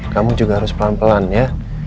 kamu juga harus pelan pelan ya